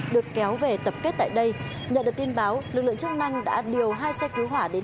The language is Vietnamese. được kéo về tập kết tại đây nhận được tin báo lực lượng chức năng đã điều hai xe cứu hỏa đến